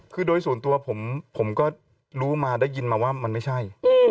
คือโดยส่วนตัวผมก็รู้มาได้ยินมาว่ามันไม่ใช่